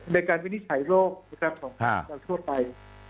ในการวินิจฉัยโรคของเราทั่วไป